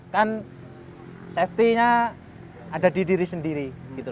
dan safety nya ada di diri sendiri